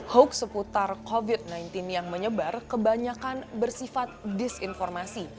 hoax seputar covid sembilan belas yang menyebar kebanyakan bersifat disinformasi